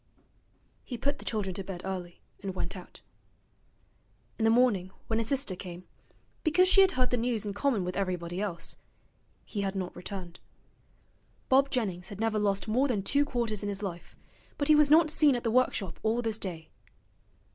He put the children to bed early, and went out. In the morning, when his sister came, because she had heard the news in common with everybody else, he had not returned. Bob Jennings had never lost more than two quarters in his life, but he was not seen at the workshop all this day.